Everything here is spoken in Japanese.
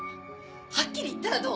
はっきり言ったらどう？